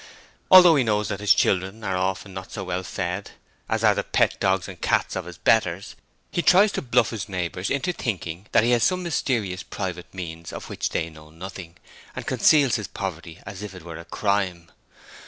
Although he knows that his children are often not so well fed as are the pet dogs and cats of his 'betters', he tries to bluff his neighbours into thinking that he has some mysterious private means of which they know nothing, and conceals his poverty as if it were a crime.